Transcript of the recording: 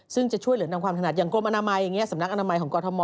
ซึ่งจะช่วยเหลือนำความถนัดอย่างกรมอนามัยอย่างนี้สำนักอนามัยของกรทม